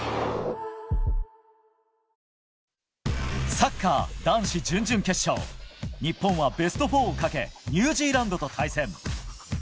サッカー男子準々決勝日本はベスト４をかけニュージーランドと対戦。